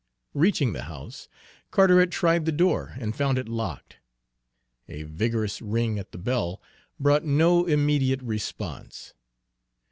Reaching the house, Carteret tried the door and found it locked. A vigorous ring at the bell brought no immediate response.